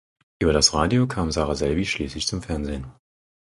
Über das Radio kam Sarah Selby schließlich zum Fernsehen.